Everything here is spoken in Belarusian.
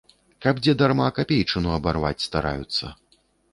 Каб дзе дарма капейчыну абарваць стараюцца.